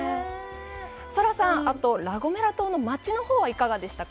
ソラさん、あと、ラ・ゴメラ島の街のほうは、いかがでしたか。